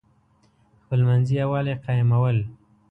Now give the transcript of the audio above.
خپلمنځي یوالی قایمول.